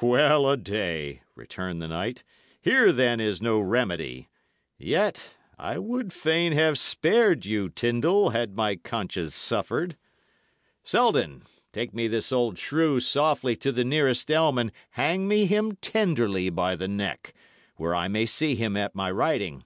"Well a day!" returned the knight. "Here, then, is no remedy. Yet I would fain have spared you, Tyndal, had my conscience suffered. Selden, take me this old shrew softly to the nearest elm, and hang me him tenderly by the neck, where I may see him at my riding.